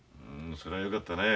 それはよかったね。